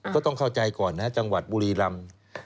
ก็ต้องเข้าใจก่อนนะจังหวัดบุรีรำ